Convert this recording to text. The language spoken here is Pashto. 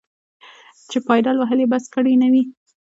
چې پایدل وهل یې بس کړي نه وي.